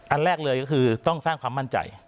อันแรกเลยก็คือต้องสร้างความมั่นใจ